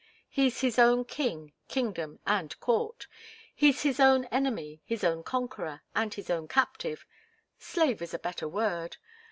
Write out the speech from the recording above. He's his own king, kingdom and court. He's his own enemy, his own conqueror, and his own captive slave is a better word.